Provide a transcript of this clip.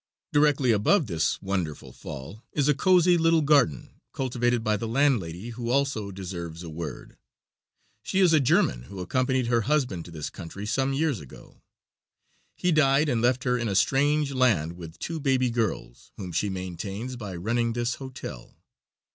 Directly above this wonderful fall is a cozy little garden, cultivated by the landlady, who also deserves a word. She is a German, who accompanied her husband to this country some years ago. He died and left her in a strange land with two baby girls, whom she maintains by running this hotel.